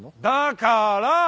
だから！